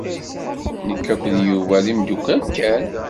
Nekk akked Yuba d imeddukal kan.